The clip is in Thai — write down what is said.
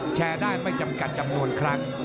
แชร์ได้ไม่จำกัดจำนวนครั้ง